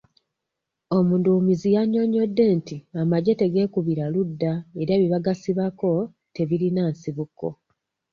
Omudduumizi yannyonyodde nti amagye tegeekubira ludda era byebagasibako tebirina nsibuko.